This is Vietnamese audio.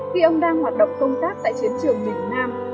khi ông đang hoạt động công tác tại chiến trường miền nam